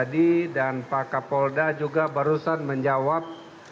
dan pak kapolda juga barusan menjawab